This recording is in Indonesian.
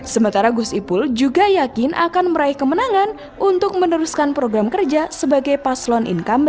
sementara gus ipul juga yakin akan meraih kemenangan untuk meneruskan program kerja sebagai paslon incumben